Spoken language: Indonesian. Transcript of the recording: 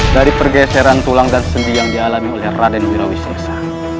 dari pergeseran tulang dan sendi yang dialami oleh raden wirawi sursa